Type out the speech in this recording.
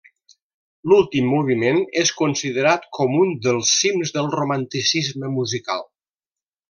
L'últim moviment és considerat com un dels cims del Romanticisme musical.